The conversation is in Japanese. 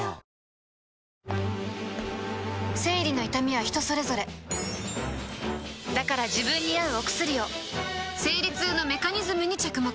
生理の痛みは人それぞれだから自分に合うお薬を生理痛のメカニズムに着目